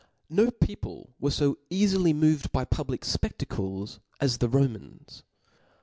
No people were fo caGIy moved with public fpedlacles as the Romans.